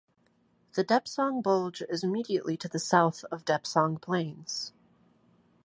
The Depsang Bulge is immediately to the south of Depsang Plains.